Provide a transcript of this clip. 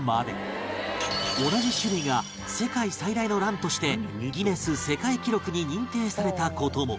同じ種類が世界最大のランとして『ギネス世界記録』に認定された事も